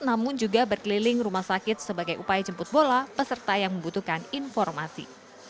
namun juga berkeliling rumah sakit sebagai upaya jemput bola peserta yang membutuhkan informasi